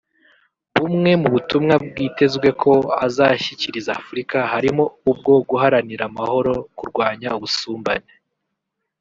Bumwe mu butumwa bwitezwe ko azashyikiriza Afurika harimo ubwo guharanira amahoro kurwanya ubusumbane